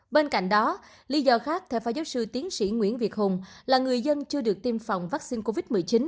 bên cạnh đó lý do khác theo phó giáo sư tiến sĩ nguyễn việt hùng là người dân chưa được tiêm phòng vaccine covid một mươi chín